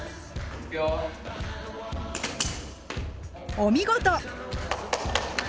お見事！